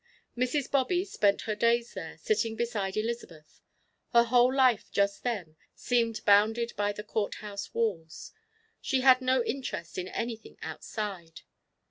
Mrs. Bobby spent her days there, sitting beside Elizabeth; her whole life, just then, seemed bounded by the court house walls. She had no interest in anything outside.